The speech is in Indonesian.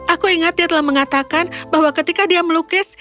aku ingat dia telah mengatakan bahwa ketika dia melukis